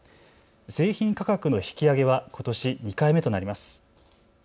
製品価格の引き上げはことし２回目となります。